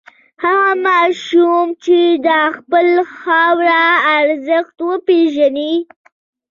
هغه ماشوم چې د خپلې خاورې ارزښت وپېژني.